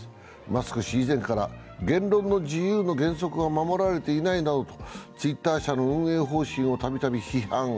マスク氏は以前から言論の自由の原則が守られていないなど、ツイッター社の運営方針を度々批判。